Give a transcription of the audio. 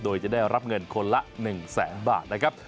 โดยจะได้รับเงินคนละ๑แสนบาทนะครับ